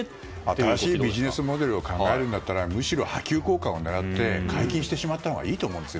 新しいビジネスモデルを考えるんだったらむしろ波及効果を狙って解禁してしまったほうがいいと思います。